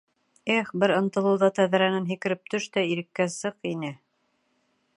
Эх, бер ынтылыуҙа тәҙрәнән һикереп төш тә, иреккә сыҡ ине.